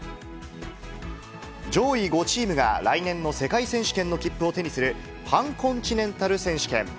上位５チームが来年の世界選手権の切符を手にする、パンコンチネンタル選手権。